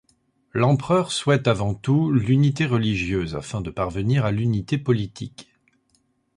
L'empereur souhaite avant tout l'unité religieuse afin de parvenir à l'unité politique.